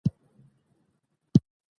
د جګړې تقابل او تقدس لوی او ښکرور درواغ دي.